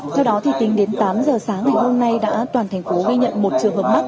theo đó thì tính đến tám giờ sáng ngày hôm nay đã toàn thành phố ghi nhận một trường hợp mắc